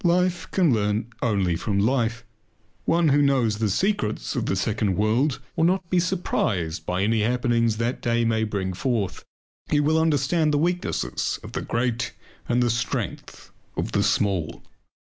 Life can learn only from life. One who knows the secrets of the second world will not be surprised by any happenings that the day may bring forth. He will understand the weaknesses of the great and the strength of the small.